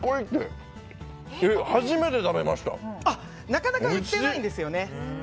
なかなか売ってないんですよね。